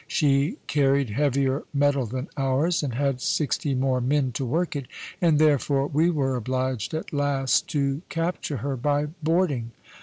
She carried heavier metal than ours, and had sixty more men to work it, and therefore we were obliged at last to capture her by boarding.